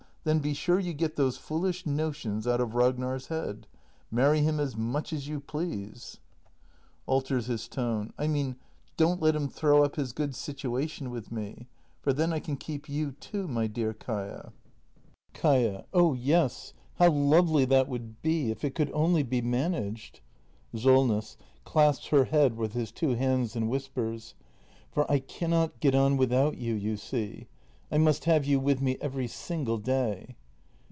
Then be sure you get those foolish notions out of Rag nar's head. Marry him as much as you please — [Alters 262 THE MASTER BUILDER [act i his tone.] I mean — don't let him throw up his good sit uation with me. For then I can keep you too, my dear Kaia. Kaia. Oh yes, how lovely that would be, if it could only be managed ! Solness. [Clasps her head with his two hands and whispers.] For I cannot get on without you, you see. I must have you with me every single day.